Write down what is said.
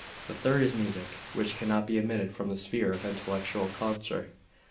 The third is Music, which cannot be omitted from the sphere of intellectual culture.